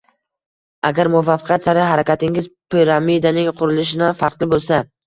Agar muvaffaqiyat sari harakatingiz piramidaning qurilishidan farqli bo’lsa